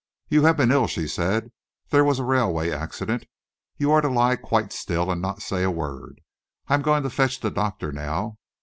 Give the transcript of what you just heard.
"You have been ill," she said. "There was a railway accident. You are to lie quite still and not say a word. I am going to fetch the doctor now.